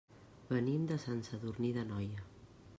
Venim de Sant Sadurní d'Anoia.